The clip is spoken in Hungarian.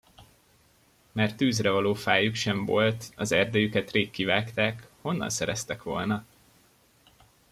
Mert tűzre való fájuk sem volt, az erdejüket rég kivágták, honnan szereztek volna?